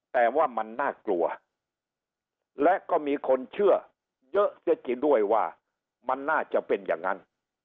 แต่ว่ามันน่ากลัวและก็มีคนเชื่อเยอะเสียจริงด้วยว่ามันน่าจะเป็นอย่างนั้น